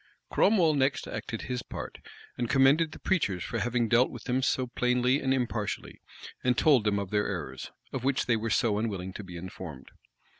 Cromwell next acted his part, and commended the preachers for having dealt with them plainly and impartially, and told them of their errors, of which they were so unwilling to be informed.